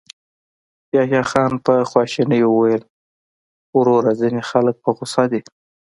يحيی خان په خواشينۍ وويل: وروره، ځينې خلک په غوسه دي.